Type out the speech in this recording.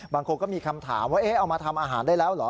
บางคนก็มีคำถามว่าเอามาทำอาหารได้แล้วเหรอ